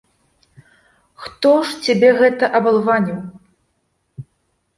Хто ж цябе гэта абалваніў?